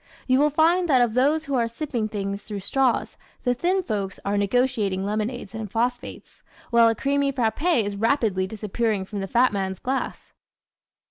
You will find that of those who are sipping things through straws the thin folks are negotiating lemonades and phosphates, while a creamy frappé is rapidly disappearing from the fat man's glass.